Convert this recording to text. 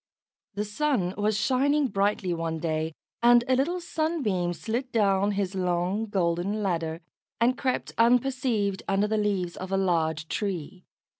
The sun was shining brightly one day, and a little Sunbeam slid down his long golden ladder, and crept unperceived under the leaves of a large tree.